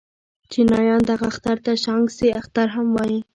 چينایان دغه اختر ته شانګ سه اختر هم وايي.